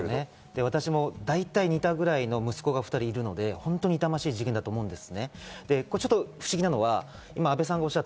私も大体、似たぐらいの息子が２人いるので、本当に痛ましい事件だと思います。